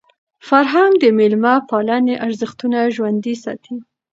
فرهنګ د میلمه پالني ارزښتونه ژوندۍ ساتي.